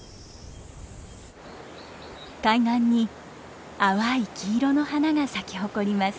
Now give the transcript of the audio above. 海岸に淡い黄色の花が咲き誇ります。